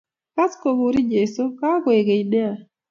Kas kokurin Jesu kakoek keny nea